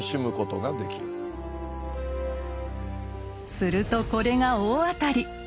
するとこれが大当たり。